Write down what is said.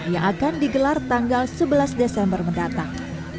yang akan digelar tanggal sebelas desember mendatang